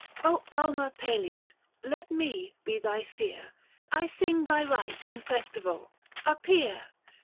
" Oh alma Pales, let me be thy seer, I sing thy rites and festival ; appear